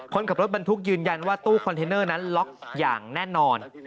คนขับรถบรรทุกยืนยันว่าตู้คอนเทนเนอร์นั้นล็อกอย่างแน่นอน